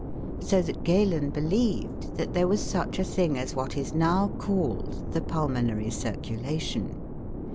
So that Galen believed that there was such a thing as what is now called the pulmonary circulation.